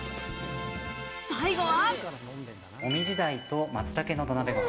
最後は。